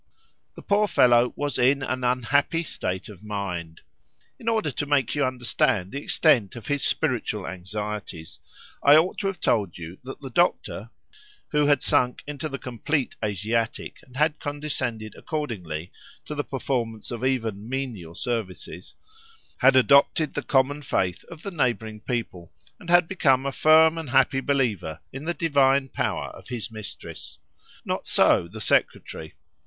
The poor fellow was in an unhappy state of mind. In order to make you understand the extent of his spiritual anxieties, I ought to have told you that the doctor (who had sunk into the complete Asiatic, and had condescended accordingly to the performance of even menial services) had adopted the common faith of all the neighbouring people, and had become a firm and happy believer in the divine power of his mistress. Not so the secretary.